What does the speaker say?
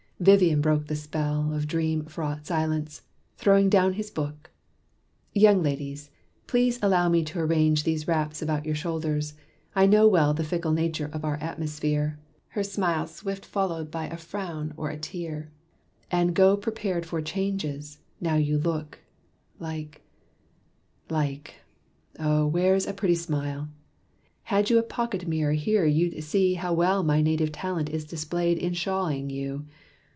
Vivian broke the spell Of dream fraught silence, throwing down his book: "Young ladies, please allow me to arrange These wraps about your shoulders. I know well The fickle nature of our atmosphere, Her smile swift followed by a frown or tear, And go prepared for changes. Now you look, Like like oh, where's a pretty simile? Had you a pocket mirror here you'd see How well my native talent is displayed In shawling you.